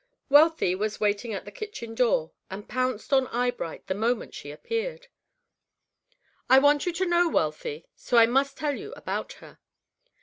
Wealthy was waiting at the kitchen door, and pounced on Eyebright the moment she appeared. I want you to know Wealthy, so I must tell you about her.